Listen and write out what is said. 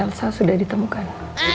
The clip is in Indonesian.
elsa sudah ditemukan